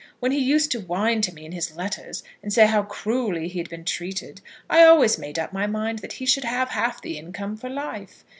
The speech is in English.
When he used to whine to me in his letters, and say how cruelly he had been treated, I always made up my mind that he should have half the income for life.